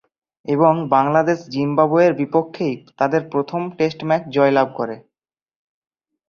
এবং বাংলাদেশ জিম্বাবুয়ের বিপক্ষেই তাদের প্রথম টেস্ট ম্যাচ জয়লাভ করে।